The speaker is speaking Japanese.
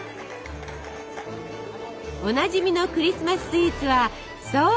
おなじみのクリスマススイーツはそう！